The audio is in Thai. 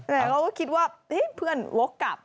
แล้วเค้าก็คิดว่าเฮ้พี่เพื่อนโว้กกลับ